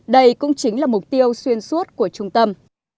đây cũng chính là mục tiêu xuyên suốt của trung tâm